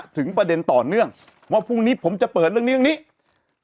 ถึงประเด็นต่อเนื่องว่าพรุ่งนี้ผมจะเปิดเรื่องนี้เรื่องนี้